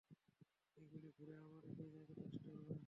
এই গুলি ঘুরে, আবার একই জায়গায় আসতে হবে।